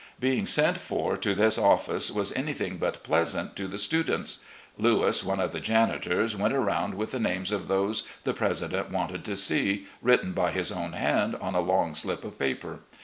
Being sent for to this office was anything but pleasant to the students. Lewis, one of the janitors, went arotmd with the names of those the president wanted to see, written by his own hand on a long slip of paper.